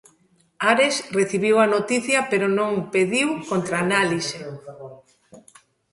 Ares recibiu a noticia, pero non pediu contraanálise.